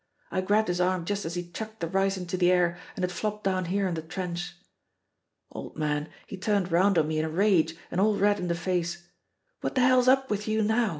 I grabbed his arm just as he chucked the rice into the air, and it flopped down here in the trench. Old man, he turned round on me in a rage and all red in the face, 'What the hell's up with you now?'